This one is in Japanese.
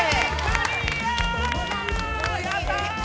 やったあ！